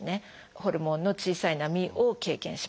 ホルモンの小さい波を経験します。